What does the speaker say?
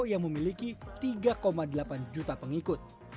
yang memiliki tiga delapan juta pengikut